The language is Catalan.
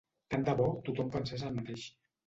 Tant de bo tothom pensés el mateix